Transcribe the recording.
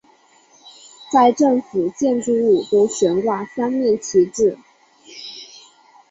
在政府建筑物都悬挂三面旗帜。